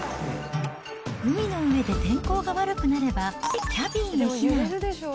海の上で天候が悪くなれば、キャビンへ避難。